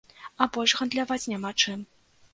А больш гандляваць няма чым.